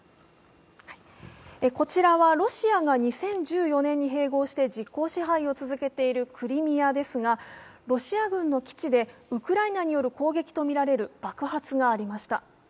こちらはロシアが２０１４年に併合して実効支配を続けているクリミアですが、ロシア軍の基地でウクライナによる攻撃とみられる爆発がありました。